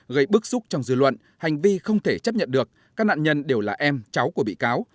gây bức xúc trong dư luận hành vi không thể chấp nhận được các nạn nhân đều là em cháu của bị cáo